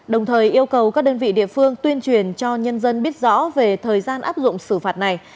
đồng thời yêu cầu các đơn vị địa phương tuyên truyền cho nhân dân biết rõ về thời gian áp dụng xử phạt này